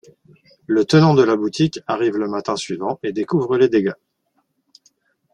Le tenant de la boutique arrive le matin suivant et découvre les dégâts.